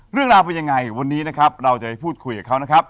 เรื่องราวเป็นยังไงวันนี้นะครับเราจะไปพูดคุยกับเขานะครับ